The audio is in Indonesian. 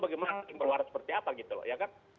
memang yang berwaras seperti apa gitu loh ya kan